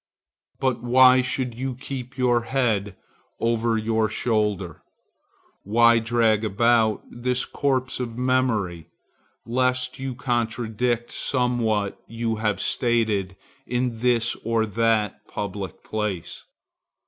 But why should you keep your head over your shoulder? Why drag about this corpse of your memory, lest you contradict somewhat you have stated in this or that public place?